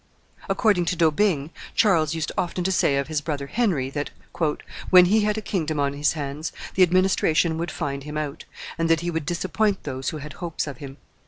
According to D'Aubigne, Charles used often to say of his brother Henry, that, "when he had a kingdom on his hands, the administration would find him out, and that he would disappoint those who had hopes of him."